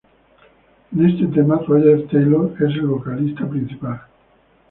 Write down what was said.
En este tema, Roger Taylor es el vocalista principal.